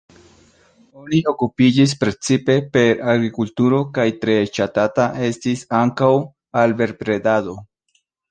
Oni okupiĝis precipe per agrikulturo kaj tre ŝatata estis ankaŭ abelbredado.